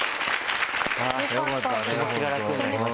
気持ちが楽になりますね。